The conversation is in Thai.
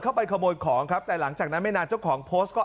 เข้าไปขโมยของครับแต่หลังจากนั้นไม่นานเจ้าของโพสต์ก็